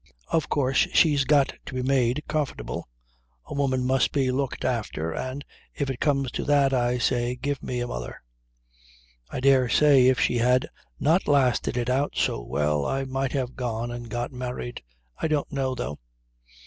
Of course she's got to be made comfortable. A woman must be looked after, and, if it comes to that, I say, give me a mother. I dare say if she had not lasted it out so well I might have gone and got married. I don't know, though.